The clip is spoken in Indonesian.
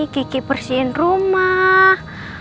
kiki bersihin rumah